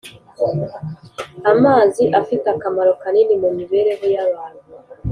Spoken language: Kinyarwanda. Amazi afite akamaro kanini mu mibereho y’abantu